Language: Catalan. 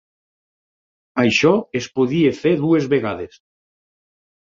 Això es podia fer dues vegades.